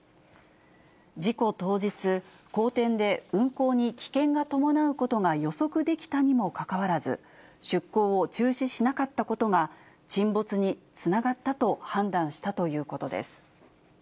事故当日、荒天で運航に危険が伴うことが予測できたにもかかわらず、出航を中止しなかったことが、沈没につながったと判断したということです。